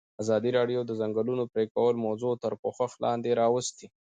ازادي راډیو د د ځنګلونو پرېکول موضوع تر پوښښ لاندې راوستې.